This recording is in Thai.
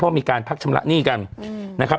มีการพักชำระหนี้กันนะครับ